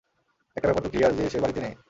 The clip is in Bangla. একটা ব্যাপার তো ক্লিয়ার যে সে বাড়িতে নেই।